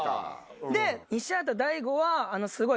で西畑大吾は。